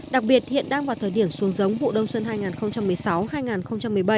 đặc biệt hiện đang vào thời điểm xuống giống vụ đông xuân hai nghìn một mươi sáu hai nghìn một mươi bảy